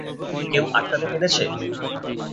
কেউ আটকাতে পেরেছে?